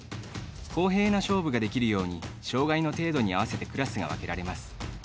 公平な勝負ができるように障がいの程度に合わせてクラスが分けられます。